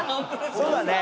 そうだね。